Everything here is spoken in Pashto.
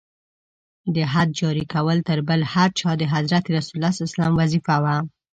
د حد جاري کول تر بل هر چا د حضرت رسول ص وظیفه وه.